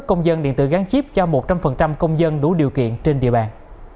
công dân điện tử gắn chip cho một trăm linh công dân đủ điều kiện trên địa bàn